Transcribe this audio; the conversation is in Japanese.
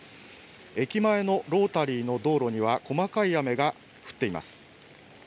駅前のロータリーの道路には細かい雨が降っています。